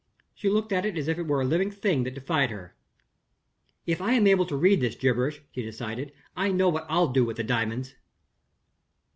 She looked at it as if it were a living thing that defied her. "If I am able to read this gibberish," she decided, "I know what I'll do with the diamonds!"